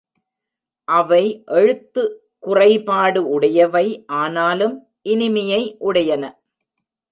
அவை எழுத்து குறைபாடு உடையவை ஆனாலும் இனிமையை உடையன.